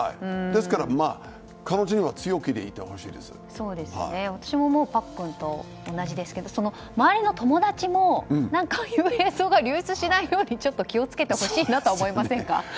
ですから、彼女には私もパックンと同じですが周りの友達もああいう画像が流出しないようにちょっと気を付けてほしいなとは思いませんか。